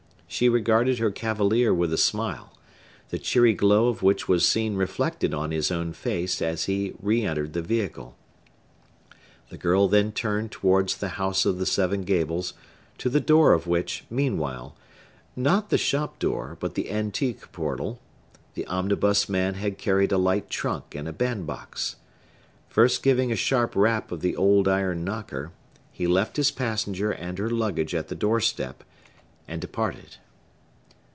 She rewarded her cavalier with a smile, the cheery glow of which was seen reflected on his own face as he reentered the vehicle. The girl then turned towards the House of the Seven Gables, to the door of which, meanwhile,—not the shop door, but the antique portal,—the omnibus man had carried a light trunk and a bandbox. First giving a sharp rap of the old iron knocker, he left his passenger and her luggage at the door step, and departed.